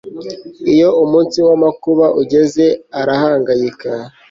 iyo umunsi w'amakuba ugeze, arahangayika